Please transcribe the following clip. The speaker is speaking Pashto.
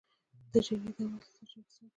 د جګړې د دوام اصلي سرچينه فساد دی.